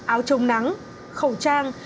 áo trông nắng khẩu trang